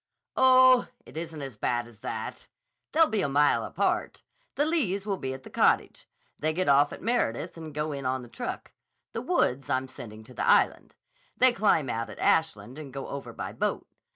"Oh, it isn't as bad as that. They'll be a mile apart. The Lees will be at the cottage. They get off at Meredith and go in on the truck. The Woods I'm sending to the Island. They climb out at Ashland and go over by boat.